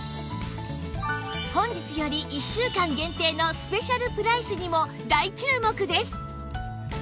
本日より１週間限定のスペシャルプライスにも大注目です！